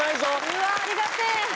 うわあありがてえ！